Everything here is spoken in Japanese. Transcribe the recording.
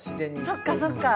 そっかそっか。